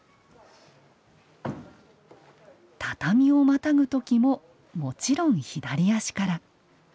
畳をまたぐ時ももちろん左足から。